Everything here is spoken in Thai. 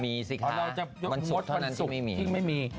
มีสิค่ะวันสุขเท่านั้นที่ไม่มี